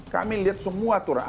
kami lihat semua itu orang